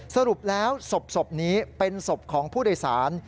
สรุปแล้วศพนี้เป็นศพของผู้โดยสาร